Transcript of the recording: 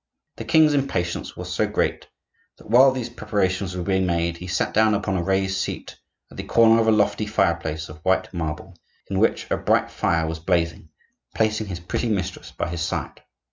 The king's impatience was so great that while these preparations were being made he sat down upon a raised seat at the corner of a lofty fireplace of white marble in which a bright fire was blazing, placing his pretty mistress by his side.